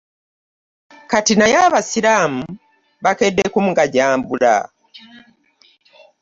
Kati naye abasiraamu bakedde kumugajambula.